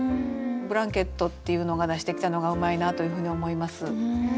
「ブランケット」っていうのが出してきたのがうまいなというふうに思います。